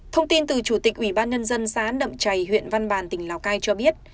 thông tin từ chủ tịch ủy ban nhân dân xã nậm chày huyện văn bàn tỉnh lào cai cho biết